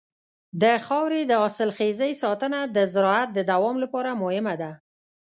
د خاورې د حاصلخېزۍ ساتنه د زراعت د دوام لپاره مهمه ده.